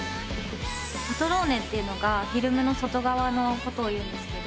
「パトローネ」というのがフィルムの外側のことをいうんです。